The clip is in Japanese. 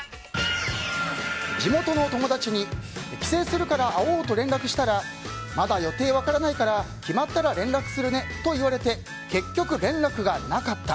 地元の友達に帰省するから会おうと連絡したらまだ予定分からないから決まったら連絡するねと言われて結局、連絡がなかった。